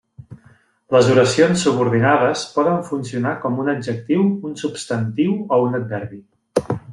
Les oracions subordinades poden funcionar com un adjectiu, un substantiu o un adverbi.